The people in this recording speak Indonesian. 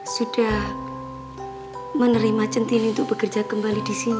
sudah menerima centin untuk bekerja kembali disini